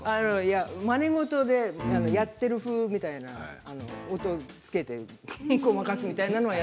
まね事でやってる風みたいなことは。